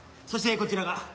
そしてこちらが。